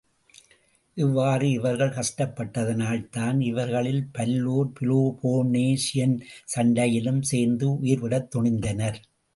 இவ்வாறு இவர்கள் கஷ்டப்பட்டதனால்தான் இவர்களில்பல்லோர் பிலோபோனேசியன் சண்டையிலும் சேர்ந்து உயிர்விடத் துணிந்தனர்.